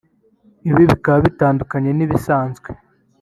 Ibi bikaba bitandukanye n'ibisanzwe